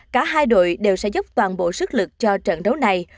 cả hai đội đều sẽ dốc toàn bộ sức lực cho trận đấu này